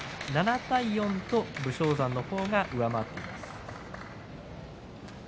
７対４と武将山の方が上回っています。